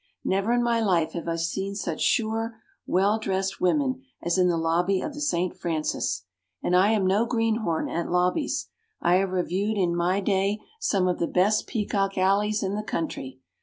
Never in my life have I seen such sure, well dressed women as in the lobby of the St. Francis. And I am no greenhorn at lobbies. I have reviewed in my day some of the best peacock alleys in the country.